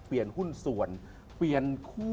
เปลี่ยนหุ้นส่วน